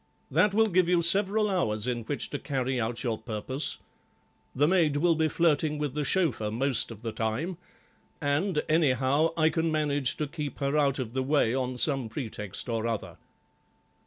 That will give you several hours in which to carry out your purpose. The maid will be flirting with the chauffeur most of the time, and, anyhow, I can manage to keep her out of the way on some pretext or other."